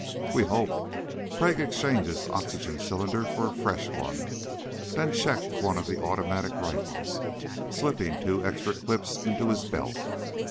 "We hope." Crag exchanged his oxygen cylinder for a fresh one, then checked one of the automatic rifles, slipping two extra clips in his belt.